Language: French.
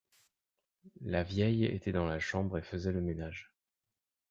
La vieille était dans la chambre et faisait le ménage.